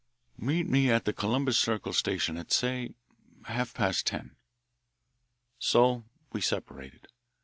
Meet me at the Columbus Circle station at, say half past ten." So we separated.